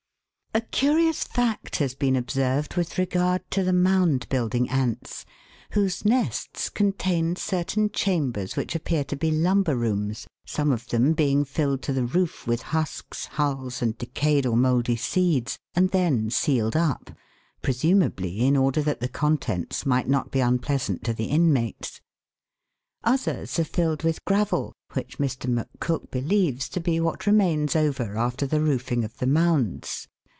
A curious fact has been observed with regard to the mound building ants, whose nests contain certain chambers which appear to be lumber rooms, some of them being filled to the roof with husks, hulls, and decayed or mouldy seeds, and then sealed up, presumably in order that the contents might not be unpleasant to the inmates. Others are filled with gravel, which Mr. McCook believes to be what remains over after the roofing of the mounds.